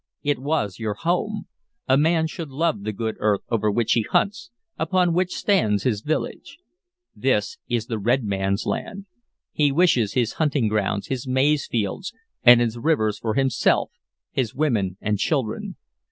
It was your home: a man should love the good earth over which he hunts, upon which stands his village. This is the red man's land. He wishes his hunting grounds, his maize fields, and his rivers for himself, his women and children.